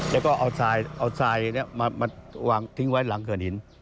แล้วก็เอาสายนี้มันทิ้งไว้หลังเขื่อนหิน